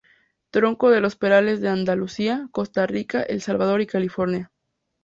Tronco de los Peralta de Andalucía, Costa Rica, El Salvador y California.